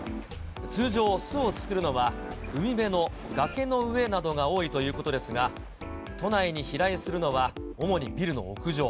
通常、巣を作るのは、海辺の崖の上などが多いということですが、都内に飛来するのは主にビルの屋上。